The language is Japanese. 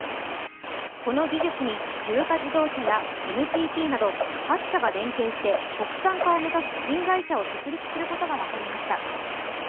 この技術にトヨタ自動車やＮＴＴなど８社が連携して国産化を目指す新会社を設立することが分かりました。